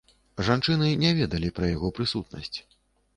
Жанчыны не ведалі пра яго прысутнасць.